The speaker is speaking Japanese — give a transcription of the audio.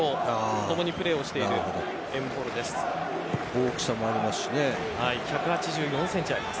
共にプレーをしているエムボロです。